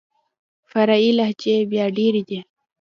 فرعي لهجې بيا ډېري دي.